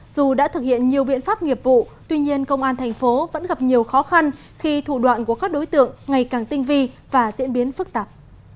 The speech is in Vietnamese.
dù đã thực hiện nhiều biện pháp nghiệp vụ tuy nhiên công an thành phố vẫn gặp nhiều khó khăn khi thủ đoạn của các đối tượng ngày càng tinh vi và diễn biến phức tạp